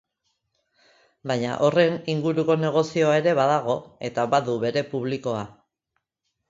Baina horren inguruko negozioa ere badago eta badu bere publikoa.